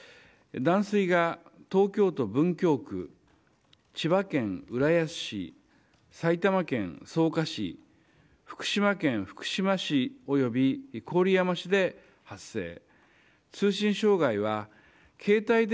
断水が東京都文京区千葉県浦安市埼玉県草加市福島県福島市及び郡山市で発生。